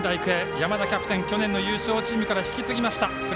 仙台育英、山田キャプテン優勝チームから引き継ぎました。